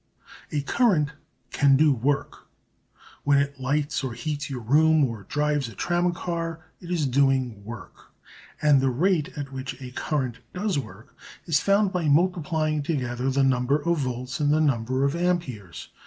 A current can do work; when it lights or heats your room or drives a tramcar it is doing work; and the rate at which a current does work is found by multiplying together the number of volts and the number of amperes.